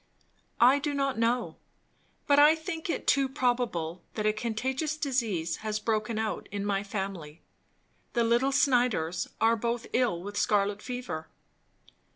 "I do not know, but I think it too probable, that a contagious disease has broken out in my family. The little Snyders are both ill with scarlet fever."